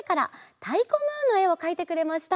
「たいこムーン」のえをかいてくれました。